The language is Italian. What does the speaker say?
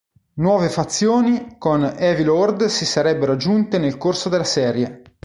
Nuove fazioni con Evil Horde si sarebbero aggiunte nel corso della serie.